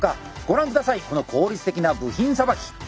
ご覧下さいこの効率的な部品さばき。